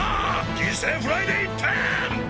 犠牲フライで１点！